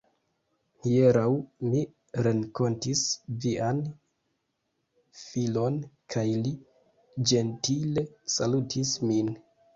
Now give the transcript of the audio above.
Hieraŭ mi renkontis vian filon, kaj li ĝentile salutis min.